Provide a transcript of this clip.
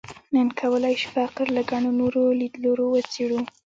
نن کولای شو فقر له ګڼو نورو لیدلوریو وڅېړو.